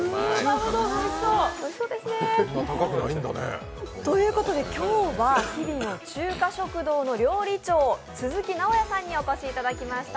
おいしそうですね。ということで今日は日々の中華食堂の料理長・鈴木公也さんにお越しいただきました。